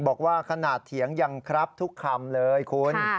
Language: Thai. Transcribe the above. บอกว่าขนาดเถียงยังครับทุกคำเลยคุณ